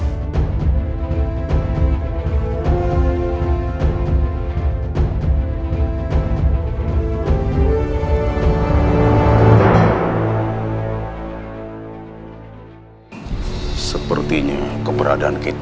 kalau pencari k distancing delapan next